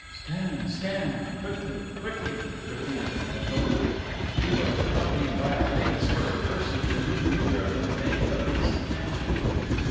"Scan! Scan! (Quickly, quickly)" repeated Onoto. She was accompanied by a vague sort of person to whom neither of them paid the least attention.